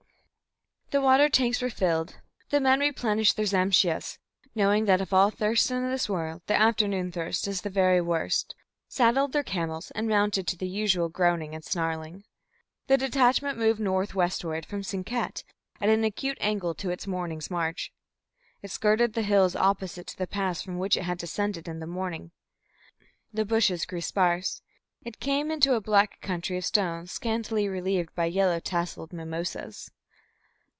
The water tanks were filled, the men replenished their zamshyehs, knowing that of all thirsts in this world the afternoon thirst is the very worst, saddled their camels, and mounted to the usual groaning and snarling. The detachment moved northwestward from Sinkat, at an acute angle to its morning's march. It skirted the hills opposite to the pass from which it had descended in the morning. The bushes grew sparse. It came into a black country of stones scantily relieved by yellow tasselled mimosas.